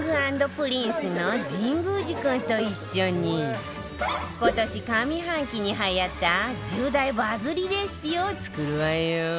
Ｋｉｎｇ＆Ｐｒｉｎｃｅ の神宮寺君と一緒に今年上半期にはやった１０大バズりレシピを作るわよ